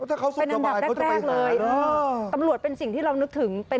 ถ้าเขาสุขกระบายเขาจะไปหาตำรวจเป็นสิ่งที่เรานึกถึง